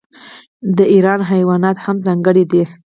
د ایران حیوانات هم ځانګړي دي.